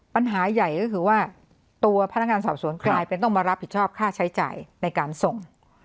ปัญหาใหญ่ก็คือว่าตัวพนักงานสอบสวนกลายเป็นต้องมารับผิดชอบค่าใช้จ่ายในการส่ง